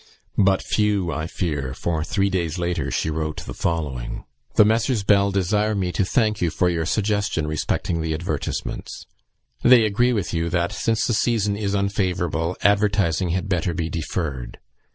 But few, I fear; for, three days later, she wrote the following: "The Messrs. Bell desire me to thank you for your suggestion respecting the advertisements. They agree with you that, since the season is unfavourable, advertising had better be deferred.